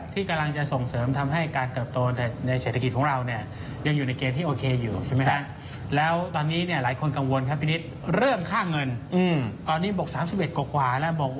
ที่กำลังจะส่งเสริมทำให้การเกิบโตในเศรษฐกิจของเรา